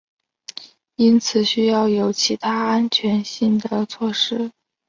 因此需要有其他安全性的措施。